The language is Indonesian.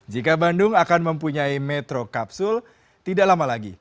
jika bandung akan mempunyai metro kapsul tidak lama lagi